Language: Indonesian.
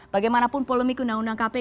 bagaimanapun polemik undang undang kpk